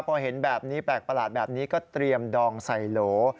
พอเห็นแบบนี้แปลกประหลาดแบบนี้ก็เตรียมดองใส่โหล